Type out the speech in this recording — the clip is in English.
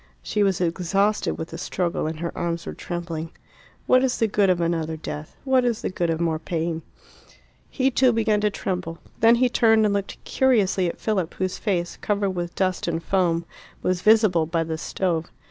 She was exhausted with the struggle, and her arms were trembling. "What is the good of another death? What is the good of more pain?" He too began to tremble. Then he turned and looked curiously at Philip, whose face, covered with dust and foam, was visible by the stove.